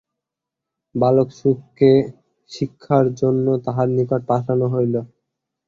বালক শুককে শিক্ষার জন্য তাঁহার নিকট পাঠানো হইল।